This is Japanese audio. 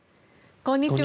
こんにちは。